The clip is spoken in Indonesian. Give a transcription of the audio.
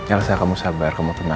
elsa kamu sabar kamu tenang ya